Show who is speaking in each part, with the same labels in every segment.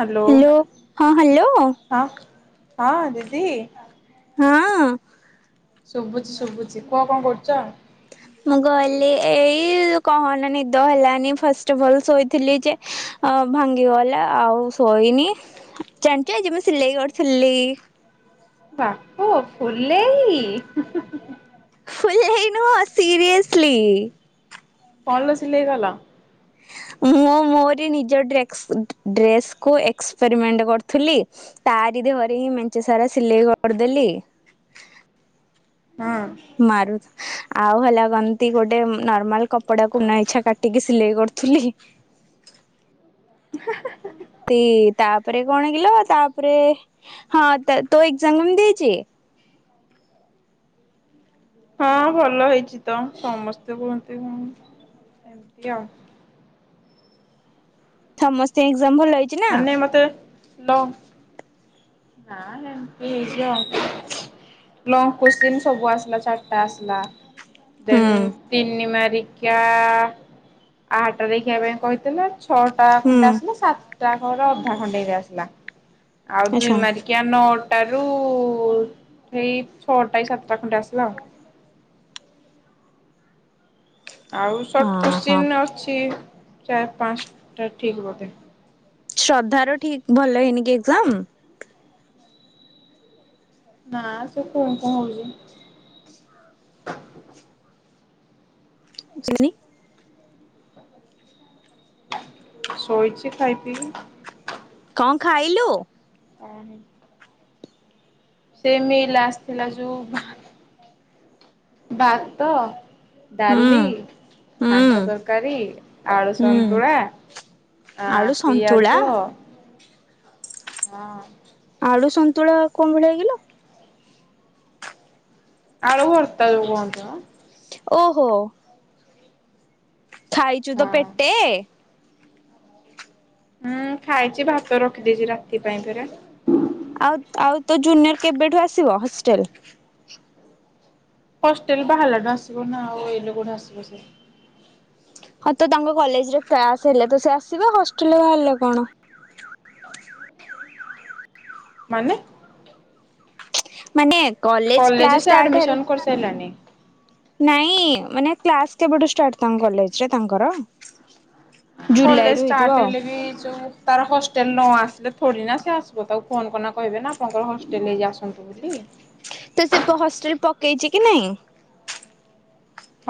Speaker 1: Hello.
Speaker 2: Hello ହଁ hello
Speaker 1: ହଁ ହଁଅଁ ଦିଦି।
Speaker 2: ହଁଅଁ।
Speaker 1: ଶୁଭୁଛି ଶୁଭୁଛି କୁହ କଣ କରୁଚ?
Speaker 2: ମୁଁ ଗଲିି ଏଇ କହନି ନିଦ ହେଲାନି ଫାଷ୍ଟେ ଭଲ୍ ଶୋଇଥିଲି ଯେ। ଅ ଭାଙ୍ଗିଗଲା ଆଉ ଶୋଇନି। ଜାଣିଚ ଆଜି ମୁଁ ସିଲେଇ ଗଡ଼୍ ଥିଲି।
Speaker 1: ତାପ ଫୁଲେଇ ହୁଁ ହୁଁ
Speaker 2: ଫୁଲେହି ନୁହଁ ସିରିୟେସ୍ଲି।
Speaker 1: କଣ ଲୋ ସିଲେଇ ଗଲ।
Speaker 2: ମୁଁ ମୋରି ନିଜ ଡ୍ରେକ୍ସ [unintelligible] ଡ୍ରେସ୍ କୁ ଏକ୍ସେପେରିମେଣ୍ଟେ କରୁଥିଲି। ତାରି ଦେହରେ ହିଁ ମଞ୍ଚେ ସାରା ସିଲେଇ କରିଦେଲି।
Speaker 1: ହଁ।
Speaker 2: ମାରୁଥ୍ ଆଉ ହେଲା କନ୍ତି ଗୋଟେ ନର୍ମାଲ୍ କପଡ଼ା କୁ ନା ଇଛା କାଟିକି ସିଲେଇ କରୁଥିଲିହି।
Speaker 1: ହାଁ ହାଁ।
Speaker 2: ତି ତାପରେ କଣ କିଲୋ ତାପରେ ହଁ ତଏ ତୋ ଏକ୍ଜାମ୍ କମ୍ତି ଦେଇଚି?
Speaker 1: ହଁ ଭଲ ହେଇଚି ତ ସମସ୍ତେ କୁହନ୍ତି କଣ ଏମିତି ଆଉ।
Speaker 2: ଠମସ୍ତେ ଏକ୍ଜାମ୍ ଭଲ ହେଇ
Speaker 1: ମାନେ ମତେ ଲ ନା ନା ଏମିତି ହେଇଚି ଆଉ। ଲଙ୍ଗ କୋଶ୍ଚିନ୍ ସବୁ ଆସିଲା ଚାରିଟା ଆସିଲା
Speaker 2: ହୁଁ
Speaker 1: ଦେନ୍ ତିନି ମାରିକିଆ [unintelligible] ଛଅଟା ଖଣ୍ଡେ ଆସିଲା ସାତଟା କର ଅଧା ଖଣ୍ଡେ ଆସିଲା, ଆଉ ଦୁଇ
Speaker 2: ଆଚ୍ଛା
Speaker 1: ମାରି କିଆ, ନଅଟାରୁ ସେଇ ଛଅଟା କି ସାତଟା ଖଣ୍ଡେ ଆସିଲା ଆଉ ଆଉ ସଟ
Speaker 2: ଓହୋ
Speaker 1: କୋଶ୍ଚିନ ଅଛି, ଚାର ପାଞ୍ଚଟା ଠିକ୍ ବୋଧେ।
Speaker 2: ଶ୍ରଦ୍ଧାର ଠିକ ଭଲ ହେଇନି କି ଏକ୍ଜାମ?
Speaker 1: ନା ସେ [unintelligible]
Speaker 2: [unintelligible]
Speaker 1: ମୁଁ ଶୋଇଛି ଖାଇ ପିଇକି।
Speaker 2: କଣ ଖାଇଲୁ?
Speaker 1: ଓହୋ। ସେ ମିଲ ଆସିଥିଲା ଯୋଉ ଭା ବାତ
Speaker 2: ହୁଁ
Speaker 1: ଡାଲି, ଘାଣ୍ଟ
Speaker 2: ହୁଁ
Speaker 1: ତରକାରୀ, ଆଳୁ
Speaker 2: ହୁଁ
Speaker 1: ସନ୍ତୁଳା ଆ
Speaker 2: ଆଳୁ ସନ୍ତୁଳା
Speaker 1: ପିଆଜ ହଁ।
Speaker 2: ଆଳୁ ସନ୍ତୁଳା କୋଉ ଭଳିଆ କିଲୋ?
Speaker 1: ଆଳୁ ଭରତା ଯୋଉ କହନ୍ତି ମ।
Speaker 2: ଓହୋ। ଖାଇଛୁ ତ ପେଟେ?
Speaker 1: ହୁଁ ଖାଇଛି ଭାତ ରଖିଦେଇଛି ରାତି ପାଇଁ ପରା।
Speaker 2: ଆଉ ଆଉ ତୋ ଜୁନିୟର କେବେଠୁ ଆସିବ ହଷ୍ଟେଲ?
Speaker 1: ହଷ୍ଟେଲ ବାହେଲାଡୁ ଆସିବ ନା ଆଉ, ଏନେ କୋଉଠି ଆସିବ ସେ।
Speaker 2: ହଁ ତ ତାଙ୍କ କଲେଜରେ କ୍ଲାସ୍ ହେଲା ତ ସେ ଆସିବା ହଷ୍ଟେଲ ବାହାରିଲେ କଣ?
Speaker 1: ମାନେ?
Speaker 2: ମାନେ କଲେଜ କ୍ଲାସ୍
Speaker 1: ସେ
Speaker 2: ସାଟ୍
Speaker 1: ଆଡମିସନ
Speaker 2: ହେଲେ ନା।
Speaker 1: କରିସାରିଲାଣି।
Speaker 2: ନାଇଁ ମାନେ କ୍ଲାସ କେବେଠୁ ଷ୍ଟାର୍ଟ ତମ କଲେଜରେ ତାଙ୍କର? ଜୁଲାଇ
Speaker 1: କଲେଜ
Speaker 2: ରୁ ହେଇଥିବ
Speaker 1: ଷ୍ଟାର୍ଟ
Speaker 2: ଆଉ
Speaker 1: ହେଲେ ବି ଯୋଉ ତାର ହଷ୍ଟେଲ ନ ଆସିଲେ ଥୋଡି ନା ସେ ଆସିବ ତାକୁ ଫୋନ କଲେ କହିବେ ନା ଆପଣଙ୍କର ହଷ୍ଟେଲ ଇଏ ଆସନ୍ତୁ। ବୁଲି।
Speaker 2: ତ ସେ ତୋ ହଷ୍ଟେଲ ପକେଇଛି କି ନାହିଁ?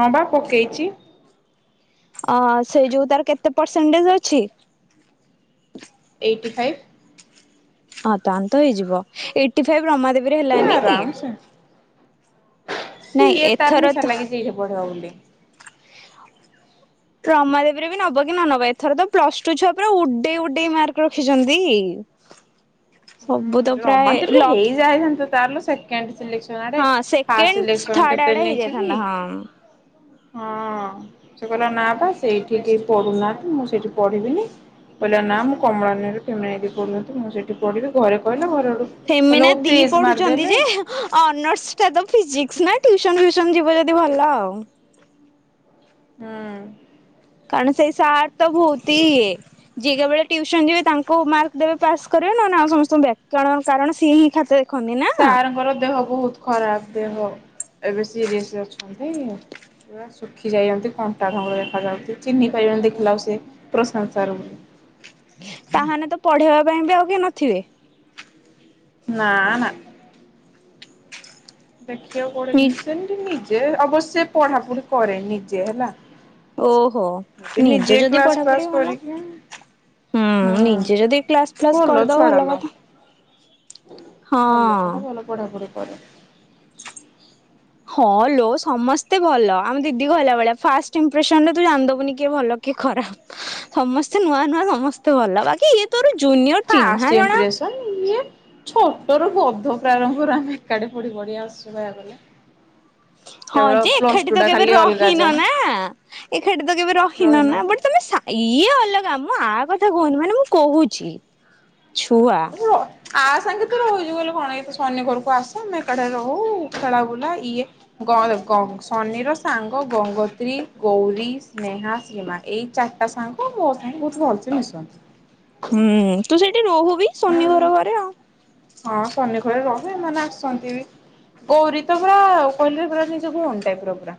Speaker 1: ହଁ ବା ପକେଇଛି।
Speaker 2: ଅ ସେଇ ଯୋଉ ତାର କେତେ ପରସେଣ୍ଟେଜ ଅଛି?
Speaker 1: Eighty five.
Speaker 2: ହଁ ତାହାଲେ ତ ହେଇଯିବ, ଏଇଟି ଫାଇଭ ରମାଦେବୀରେ ହେଲାନି?
Speaker 1: ଆରାମସେ
Speaker 2: ନାଇଁ
Speaker 1: ସିଏ ତାର
Speaker 2: ଏଥର ତ
Speaker 1: ନିିଶା ଲାଗିଛି ଏଇଠି ପଡ଼ିବ ବୋଲି।
Speaker 2: ରମାଦେବୀରେ ବି ନବ କି ନ ନବ, ଏଥର ତ ପ୍ଲସ ଟୁ ଛୁଆ ପୁରା ଉଡେଇ ଉଡେଇ ମାର୍କ ରଖିଛନ୍ତି। ସବୁ ତ
Speaker 1: ହୁଁ
Speaker 2: ପ୍ରାୟ
Speaker 1: ରମାଦେବୀ
Speaker 2: ଲକ୍
Speaker 1: ହେଇଯାଇଥାନ୍ତା, ତାହେଲେ ସେ ସେକେଣ୍ଡ ସିଲେକ୍ସନ ଆରେ
Speaker 2: ହଁ ସେକେଣ୍ଡ
Speaker 1: ଫାଷ୍ଟସିଲେ କ୍ସନ୍
Speaker 2: ଥାର୍ଡ ଆଡେ
Speaker 1: କେତେ ନେଇଥିଲି?
Speaker 2: ହେଇଯାଇଥାନ୍ତା ହଁ।
Speaker 1: ହଁ। ସେ କହିଲା ନା ବା ସେଇଠି କିଏ ପଢୁନାହାନ୍ତି ମୁଁ ସେଇଠି ପଢିବିନି। ସେ କହିଲା ନା ମୁଁ କମଳାନୀରେ ତମେ ଏଇଠି ପଢ଼ୁଚ ମୁଁ ସେଇଠି ପଢିବି। ଘରେ କହିଲା ଘରଆଡୁ [unintelligible] ଫ୍ରିଜ ମାରିଦେଲେ।
Speaker 2: ଅନର୍ସଟ ତ ଫିଜିକ୍ସ ନା ଟ୍ୟୁସନ ଫ୍ୟୁସନ ଯିବ ଯଦି ଭଲ ଆଉ।
Speaker 1: ହୁଁ।
Speaker 2: କାରଣ ସେଇ ସାର ତ ଭୋତିଏ। ଯିଏ କେବେଳ ଟ୍ୟୁସନ ଯିବେ ତାଙ୍କୁ ମାର୍କ ଦେବେ ପାସ୍ କରିବେ ନହେଲେ ଆଉ ସମସ୍ତଙ୍କୁ ବ୍ୟାକ, କାରଣ ସିଏ ହିଁ ଖାତା ଦେ
Speaker 1: ସାରଙ୍କର ଦେହ ବହୁତୁ ଖରାପ ଦେହ ଏବେ ସିରିଅସ ଅଛନ୍ତି। ପୁରା ଶୁଖି ଯାଇଛନ୍ତି କଣ୍ଟା ଧଙ୍ଗ ଦେଖାଯାଉଛି ଚିହ୍ନିପାରିବନି ଦେଖିଲା ବେଳୁ ସେ ପ୍ରଶାନ୍ତ ସାର ବୋଲି।
Speaker 2: ତାହାନେ ତ ପଢେଇବା ପାଇଁ ବି ଆଉ କି ନଥିବେ।
Speaker 1: ନା ନା‌। ଦେଖିବ କୋଉଠି
Speaker 2: ନି
Speaker 1: କେମିତି ସେମିତି ନିଜେ ଅବଶ୍ୟ ପଢାପଢି କରେ ନିଜେ ହେଲା।
Speaker 2: ଓହୋ ନିଜେ ଯଦି
Speaker 1: କ୍ଲାସ ଫ୍ଲାସ
Speaker 2: ପଢାପଢି ଭଲ।
Speaker 1: କରିକି
Speaker 2: ହୁଁ ନିଜେ ଯଦି କ୍ଲାସ ଫ୍ଲାସ
Speaker 1: ଭଲ
Speaker 2: କରିଦବ
Speaker 1: ଛୁଆଟା
Speaker 2: ଭଲ
Speaker 1: ଲୋ
Speaker 2: କଥା।
Speaker 1: ଭଲ ସେଟା
Speaker 2: ହଁ।
Speaker 1: ଭଲ ପଢାପଢି କରେ।
Speaker 2: ହଁ ଲୋ ସମସ୍ତେ ଭଲ ଆମ ଦିଦି କହିଲା ଭଳିଆ ଫାଷ୍ଟ ଇମ୍ପ୍ରେସନ ରେ ତୁ ଜାଣିଦବୁନି କିଏ ଭଲ କିଏ ଖରାପ। ସମସ୍ତେ ନୂଆ ନୂଆ ସମସ୍ତେ ଭଲ ବାକି ଇଏ ତୋର ଜୁନିୟର
Speaker 1: ଫାଷ୍ଟ
Speaker 2: ଚିହ୍ନା ଜଣା
Speaker 1: ଇମ୍ପ୍ରେସନ ଇଏ ଛୋଟରୁ ବୋଧ ପ୍ରାରମ୍ଭରୁ ଆମେ ଏକାଠି ପଢି ପଢି ଆସୁଛୁ କହିବାକୁ ଗଲେ।
Speaker 2: ହଁ
Speaker 1: କେବଳ
Speaker 2: ଯେ
Speaker 1: ପ୍ଲସ
Speaker 2: ଏକାଠି
Speaker 1: ଟୁ
Speaker 2: ତ
Speaker 1: ଟା
Speaker 2: କେବେ
Speaker 1: ଖାଲି ଅଲଗା
Speaker 2: ରହିନ
Speaker 1: ଯାହା
Speaker 2: ନା। ଏକାଠି ତ କେବେ ରହିନ
Speaker 1: ରହିଲା
Speaker 2: ନା ବଟ୍ ତମେ ସା ଇଏ ଅଲଗା ମୁଁ ଆ କଥା କହୁନି ମାନେ ମୁଁ କହୁଛି ଛୁଆ
Speaker 1: ଆ ସାଙ୍ଗେ ତ ରହିଛୁ ବୋଲି କଣ ଇଏ ତ ଶନି ଘରକୁ ଆସେ ଆମେ ଏକାଠି ରହୁ ଖେଳା ବୁଲା ଇଏ ଗ--ଗ ସନ୍ନିର ସାଙ୍ଗ ଗଙ୍ଗୋତ୍ରୀ, ଗୌରୀ, ସ୍ନେହା, ଶ୍ରୀମାନ। ଏଇ ଚାରିଟା ସାଙ୍ଗ ମୋ ସାଙ୍ଗେ ବହୁତ ଭଲସେ ମିଶନ୍ତି।
Speaker 2: ହୁଁ ତୁ ସେଇଠି ରହୁବି ଶନି ଘର ଘରେ ଆଉ।
Speaker 1: ହଁ ଶନି ଘରେ ରହେ ଏମାନେ ଆସନ୍ତି ବି। ଗୌରୀ ତ ପୁରା କହିଲି ପୁରା ନିଜ ଭଉଣୀ ଟାଇପ ର ପୁରା।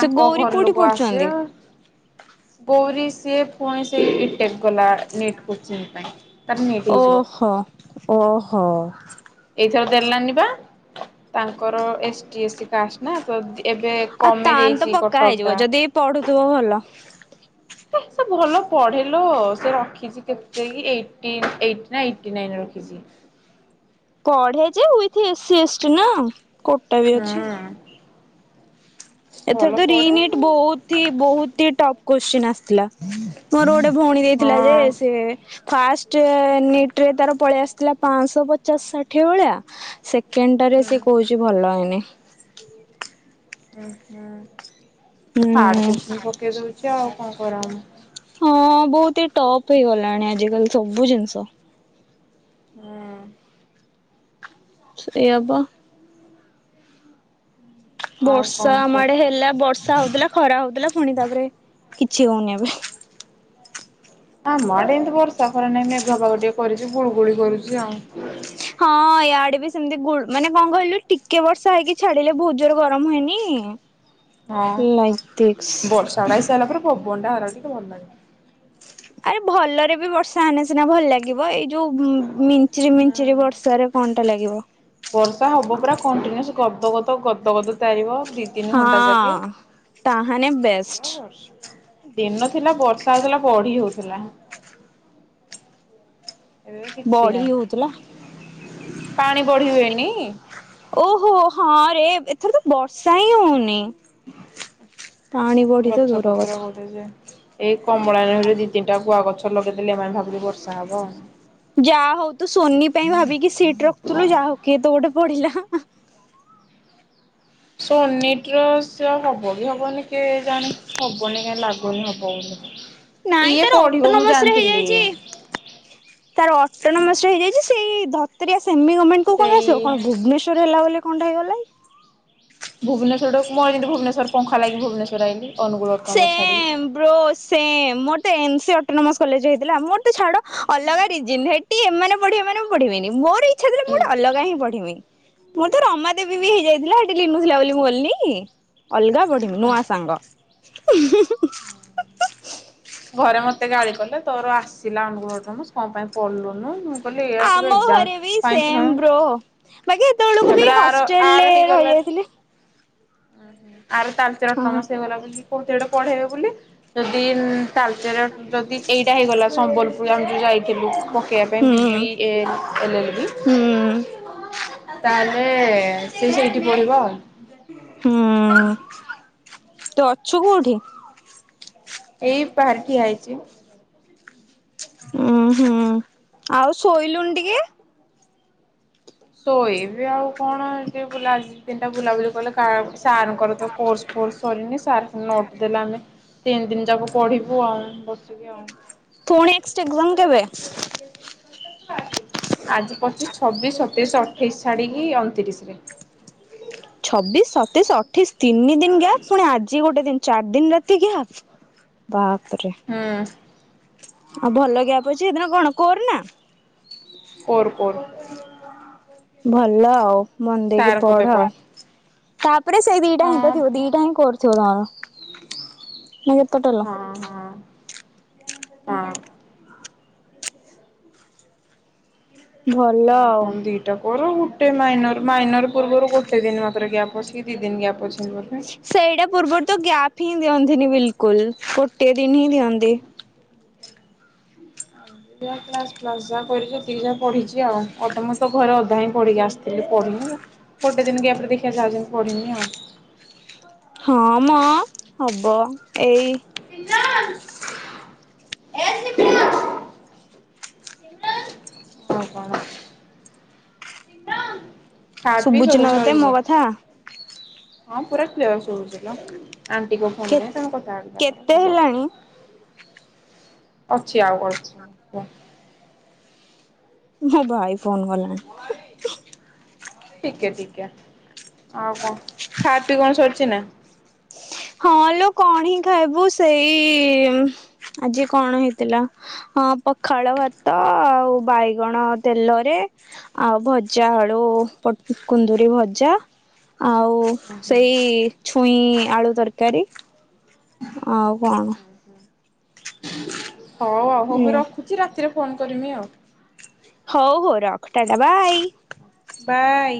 Speaker 2: ସେ ଗୌରୀ
Speaker 1: ଘର
Speaker 2: କୋଉଠି
Speaker 1: ଲୋକ
Speaker 2: ପଢୁଛନ୍ତି
Speaker 1: ଆସିବେ। ଗୌରୀ ସିଏ ପୁଣି ସେଇ ବିଟେକ୍ ଗଲା ନିଟ କୋଚିଂ ପାଇଁ। ତାର ନିଟ୍ ହେଇଯିବ
Speaker 2: ଓହୋ ଓହୋ।
Speaker 1: ଏଇଥର ଦେଲାନି ବା ତାଙ୍କର S T S C caste ନା ତ ଏବେ
Speaker 2: ଆଉ
Speaker 1: କମେଇ
Speaker 2: ତାନ୍ ତ
Speaker 1: ଦେଇଛି
Speaker 2: ପକ୍କା
Speaker 1: କଟଅପ୍
Speaker 2: ହେଇଯିବ
Speaker 1: ଟା।
Speaker 2: ଯଦି ପଢୁଥିବ ଭଲ।
Speaker 1: ହେ ସେ ଭଲ ପଢେଲୋ ସେ ରଖିଛି କେତେକି ଏଇଟି ଏଇଟ ନା ଏଇଟି ନାଇନ ରଖିଛି।
Speaker 2: ପଢେ ଯେ with S C - S T ନା କୋଟା ବି ଅଛି।
Speaker 1: ହୁଁ
Speaker 2: ଏଥର
Speaker 1: ଭଲ
Speaker 2: ତ
Speaker 1: ପଢେ
Speaker 2: ରି-ନିଟ
Speaker 1: ହଁ
Speaker 2: ବହୁତ ହି ବହୁତ ହି ଟପ୍ କୋଶ୍ଚିନ୍ ଆସି ଥିଲା। ମୋର ଗୋଟେ ଭଉଣୀ ଦେଇଥିଲା ଯେ ସେ ଫାଷ୍ଟ ଯେ ନିଟ୍ ରେ ତାର ପଳେଇ ଆସିଥିଲା ପାଁଶହ ପଚାଶ ଷାଠିଏ ଭଳିଆ ସେକ୍ ସେକେଣ୍ଡଟା ରେ
Speaker 1: ହୁଁ।
Speaker 2: ସିଏ କହୁଛି ଭଲ ହେଇନି।
Speaker 1: ଉଁ ହୁଁ।
Speaker 2: ହୁଁ।
Speaker 1: ହାର୍ଡ କୋସ୍ଚିନ ପକେଇ ଦଉଛି ଆଉ କଣ କରା ହବ।
Speaker 2: ହଁ ବହୁତ ହି ଟଫ୍ ହେଇଗଲାଣି ଆଜିକାଲି ସବୁ ଜିନିଷ।
Speaker 1: ହୁଁ।
Speaker 2: ସେଇଆ ବା।
Speaker 1: ଆଉ
Speaker 2: ବର୍ଷା
Speaker 1: କଣ
Speaker 2: ଆମ
Speaker 1: କୁହ?
Speaker 2: ଆଡେ ହେଲା ବର୍ଷା ହଉଥିଲା ଖରା ହଉଥିଲା ଫୁଣି ତାପରେ କିଛି ହଉନି ଏବେ।
Speaker 1: ଆମ ଆଡେ ଏମିତି ବର୍ଷା ଖରା ନାହିଁ ମେଘୁଆ ପାଗ ଟିକେ କରିଛି ଗୁଳୁଗୁଳି କରୁଛି ଆଉ।
Speaker 2: ହଁ ଇଆଡ଼େ ବି ସେମିତି ଗୁଳ ମାନେ କଣ କହିଲୁ ଟିକେ ବର୍ଷା ହେଇକି ଛାଡିଲେ ବହୁତ ଜୋର ଗରମ ହୁଏନି
Speaker 1: ହଁ।
Speaker 2: [unintelligible]
Speaker 1: ପବନ ଟା ହେରା ଟିକେ ଭଲ ଲାଗେ।
Speaker 2: ଆରେ ଭଲରେ ବି ବର୍ଷା ହେନେ ସିନା ଭଲ ଲାଗିବ ଏଇ ଯୋଉ ଉଁ ମିଞ୍ଚରି ମି ଞ୍ଚିରି ବର୍ଷା ରେ କଣ ଟା ଲାଗିବ।
Speaker 1: ବର୍ଷା ହବ ପୁରା କଣ୍ଟିନ୍ୟୁସ ଗଦ ଗଦ ଗଦ ଗଦ ତାରିବ। ଦି ତିନି ଘଣ୍ଟା ଯାକେ।
Speaker 2: ହଁ ତାହାନେ ବେଷ୍ଟ।
Speaker 1: [inaudible] ଦିନ ଥିଲା ବର୍ଷା ହେଉଥିଲା ବଢି ହଉଥିଲା। ଏବେ କିଛି
Speaker 2: ବଢି
Speaker 1: ନାହିଁ
Speaker 2: ହଉଥିଲା।
Speaker 1: ପାଣି ବଢି ହୁଏନି
Speaker 2: ଓହୋ ହଁରେ ଏଥର ତ ବର୍ଷା ହିଁ ହଉନି। ପାଣି ବଢି ତ
Speaker 1: ଗଛ
Speaker 2: ଦୂର
Speaker 1: ପତ୍ର
Speaker 2: କଥା।
Speaker 1: ଗୋଟେ ଯେ ଏଇ କମଳାନେହେରୁ ଦି ତିନିଟା ଗୁଆ ଗଛ ଲଗେଇଦେଲେ ଏମାନେ ଭାବୁଚନ୍ତି ବର୍ଷା ହବ ଆଉ।
Speaker 2: ଯାହା ହଉ ତୁ ସୋନି ପାଇଁ ଭାବିକି ସିଟ ରଖିଥିଲୁ ଯାହା ହଉ କିଏ ତ ଗୋଟେ ପଢିଲା ହା ହା।
Speaker 1: ସୋନି ଟ ର ସେ ହବ କି ହବନି କେଜାଣି? ହବନି କାଇଁ ଲାଗୁନି ହବ ବୋଲି
Speaker 2: ନାଇଁ
Speaker 1: ଇଏ
Speaker 2: ତାର
Speaker 1: ପଢିବ ମୁଁ
Speaker 2: ଅଟୋନମସ ରେ
Speaker 1: ଜାଣିଥିଲି।
Speaker 2: ହେଇଯାଇଛି ତାର ଅଟୋନୋମସ ହେଇଯାଇଛି ସେଇ ଧ ତ୍ରିଆ ସେମିଗମେଣ୍ଟ କଣ ପାଈଁ
Speaker 1: ସେଇ
Speaker 2: ଆସିବ କଣ ଭୁବନେଶ୍ୱର ହେଲା ବୋଲି କଣଟା ହେଇଗଲା।
Speaker 1: ଭୁବନେଶ୍ୱର ମୁଁ ଏମିତି ଭୁବନେଶ୍ୱର ପଙ୍ଖ ଲାଗି ଭୁବନେଶ୍ୱର ଆଇଲି ଅନୁଗୁଳ ଅଟୋନମସ ଛାଡ଼ି।
Speaker 2: ମୋର ସେମ ମୋର ତ ଏନ ସି ଅଟୋନୋମସ କଲେଜ ହେଇଥିଲା ମୋର ତ ଛାଡ ଅଲଗା ରିଜିନ ହେ ଟି ଏମାନେ ପଢିବ ମାନେ ମୁଁ ପଢିବିନି ମୋର ଇଚ୍ଛା ଥିଲା ମୁଁ ଗୋଟେ ଅଲଗା ହିଁ ପଢିବି। ମୋର ତ ରମାଦେବୀ ବି ହେଇଯାଇଥିଲା ହେଠି ଲିନୁ ଥିଲାବୋଲି ମୁଁ ଗଲିନି। ଅଲଗା ପଢିବି ନୂଆ ସାଙ୍ଗ।
Speaker 1: ଘରେ ମତେ ଗାଳି କଲେ ତୋର ଆସିଲା ଅନୁଗୁଳ ଅଟନମସ କଣ ପାଇଁ ପଡିଲୁନୁ
Speaker 2: ଆମ ହରେ ବି ସେମ ବ୍ରୋ ବାକି ଏତେବେଳକୁ ବି ହଷ୍ଟେଲରେ ରହିଯାଇଥିଲି।
Speaker 1: ଉଁ ହୁଁ ଆର ତାଳଚେର
Speaker 2: ହଁ
Speaker 1: ଅଟନମସ ହେଇଗଲା ବୋଲି କହୁଚି ହେଟେ ପଢେଇବେ ବୋଲି ଯଦି ତାଳଚେର ଯଦି ଏଇ ଏଇଟା ହୋଇଗଲା ସମ୍ବଲପୁର ଆମେ ଯଉ ଯାଇଥିଲୁ ପକେଇବା ପାଇଁ ବିି
Speaker 2: ହୁଁ।
Speaker 1: B A L L B.
Speaker 2: ହୁଁ
Speaker 1: ତାହେଲେ ସି ସେଇଠି ପଢିବ ଆଉ।
Speaker 2: ହୁଁ ତୁ ଅଛୁ କୋଉଠି?
Speaker 1: ଏଇ ବାହାରେ ଠିଆ ହେଇଚି।
Speaker 2: ଉୁଁ ହୁଁ ଆଉ ଶୋଇଲୁନି ଟିକିଏ?
Speaker 1: ଶୋଇବି ଇ ଆଉ କଣ ଏ ଆଜି ଦିନଟା ବୁଲାବୁଲି କଲେ ସାର କୁ ଙ୍କ ର କୋର୍ସ ଫୋର୍ସ ସରି ନି ସାର ନୋଟ ଦେଲେ ଆମେ ତିନି ଦିନ ଯାକ ପଢିବୁ ଆଉ ବସିକି ଆଉ।
Speaker 2: ଫୁଣି ନେକ୍ସଟ ଏକ୍ଜାମ କେବେ?
Speaker 1: ଆଜି ପଚିଶ ଛବିଶ ସତେଇଶ ଅଠେଇଶ ଛାଡିକି ଅଣତିରିଶ ରେ।
Speaker 2: ଛବିଶ ସତେଇଶ ଅଠେଇଶ ତିନି ଦିନ ଗ୍ୟାପ ପୁଣି ଆଜି ଗୋଟେ ଦିନ ଚାରି ଦିନ ରାତି ଗ୍ୟାପ ବାପରେ।
Speaker 1: ହୁଁ।
Speaker 2: ଆ ଭଲ ଗ୍ୟାପ ଅଛି ସେଦିନ କଣ କୋର ନା
Speaker 1: କୋର କୋର
Speaker 2: ଭଲ ଆଉ ମନ ଦେଇକି
Speaker 1: ସାରଙ୍କ
Speaker 2: ପଢ।
Speaker 1: ପେପର
Speaker 2: ତାପରେ ସେଇ ଦିଟା ହିଁ ତ
Speaker 1: ହଁ
Speaker 2: ଥିବ ଦିଟା ହିଁ କୋର ଥିବ ତମର ନା କେତଟା ଲୋ?
Speaker 1: ହଁ ହଁ ହଁ।
Speaker 2: ଭଲ ଆଉ।
Speaker 1: ଏଟା କରୁ ଗୋଟେ ମାଇନର ମାଇନର ପୂର୍ବରୁ ଗୋଟେ ଦିନ ମାତ୍ର ଗ୍ୟାପ୍ ଅଛିି ଦି ଦିନ ଗ୍ୟାପ ଅଛି ବୋଧେ।
Speaker 2: ସେଇଟା ପୂର୍ବର ତ ଗ୍ୟାପ ହିଁ ଦଅନ୍ତିନି ବିଲକୁଲ ଗୋଟେ ଦିନ ହିଁ ଦିଅନ୍ତି।
Speaker 1: ଯାହା କ୍ଲାସ୍ ଫ୍ଲାସ ଯାହା ପଢିଛି ସେତିକି ଯାହା ପଢିଛି ଆଉ। ଆଉ ତମର ତ ଘରେ ଅଧା ହିଁ ପଢିକି ଆସିଥିଲି ପଢିନି। ଗୋଟେ ଦିନ ଗ୍ୟାପରେ ଦେଖିବା ଯାହା ଯେମିତି ପଡିିମି ଆଉ।
Speaker 2: ହଁ ମ ହବ ଏଇ
Speaker 1: [unintelligible] ଆଉ କଣ? ଖା ପି
Speaker 2: ଶୁଭୁଚି
Speaker 1: ସବୁ
Speaker 2: ନା ତତେ
Speaker 1: ସରିଚି।
Speaker 2: ମୋ କଥା?
Speaker 1: ହଁ ପୁରା କ୍ଲିୟର ଶୁଭୁଛିଲୋ। ଆଣ୍ଟିଙ୍କ
Speaker 2: କେ
Speaker 1: ଫୋନରେ ତମେ କଥାବାର୍ତା
Speaker 2: କେତେ
Speaker 1: କଲେ ଭଲ।
Speaker 2: ହେଲାଣି
Speaker 1: ଅଛି ଆଉ ଅଛି କୁହ।
Speaker 2: ମୋ ଭାଇ ଫୋନ କଲାଣି।
Speaker 1: ଟିକେ ଟିକେ ଆଉ କଣ ଖାଇବା ପିଇବା ସରିଛି ନା?
Speaker 2: ହଁଲୋ କଣ ହିଁ ଖାଇବୁ ସେଇ ଆଜି କଣ ହେଇଥିଲା ହଁ ପଖାଳ ଭାତ ଆଉ ବାଇଗଣ ତେଲରେ ଆଉ ଭଜା ଆଳୁ ପୋଟ କୁନ୍ଦୁରି ଭଜା ଆଉ ସେଇ ଛୁଇଁ ଆଳୁ ତରକାରୀ ଆଉ କଣ।
Speaker 1: ହଉ ଆଉ ହଉ ମୁଁ ରଖୁଛି ରାତିରେ ଫୋନ କରିମି ଆଉ।
Speaker 2: ହଉ ହଉ ରଖ ଟା ଟା ବାଇ।
Speaker 1: ବାଏ।